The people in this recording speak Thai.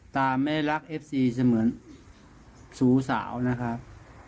ตาไม่รักเอฟซีเสมือนสูสาวนะครับ